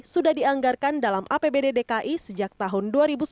sudah dianggarkan dalam apbd dki sejak tahun dua ribu sembilan belas